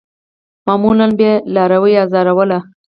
معمولاً به یې لاروي آزارول.